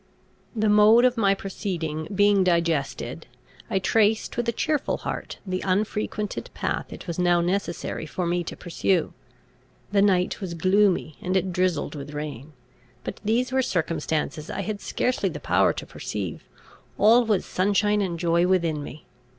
The mode of my proceeding being digested, I traced, with a cheerful heart, the unfrequented path it was now necessary for me to pursue. The night was gloomy, and it drizzled with rain. But these were circumstances I had scarcely the power to perceive; all was sunshine and joy within me.